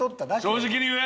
正直に言え！